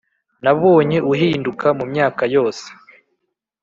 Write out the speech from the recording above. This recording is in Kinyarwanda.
nabonye uhinduka mumyaka yose,